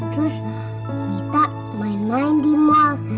terus minta main main di mall